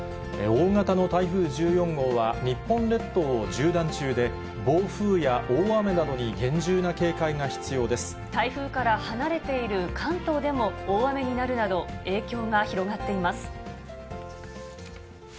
大型の台風１４号は日本列島を縦断中で、暴風や大雨などに厳重な台風から離れている関東でも大雨になるなど、影響が広がっています。